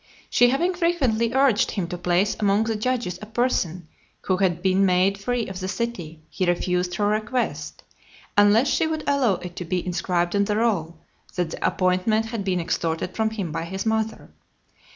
She having frequently urged him to place among the judges a person who had been made free of the city, he refused her request, unless she would allow it to be inscribed on the roll, "That the appointment had been extorted from him by his mother."